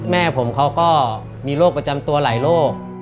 แม่ผมเขาก็มีโรคประจำตัวหลายโรค